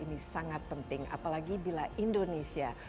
ini sangat penting apalagi bila indonesia